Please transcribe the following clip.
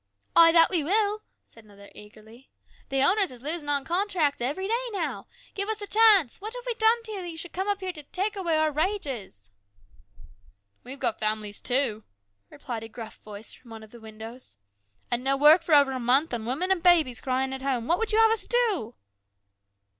"Ay, that we will," said another eagerly. "The owners is losing 'on contracts every day now. Give us a chance. What have we done to you that you should come up here to take away our wages ?"" We've got families too," replied a gruff voice from one of the windows. " And no work for over a month, and women and babies crying at home. What would you have us do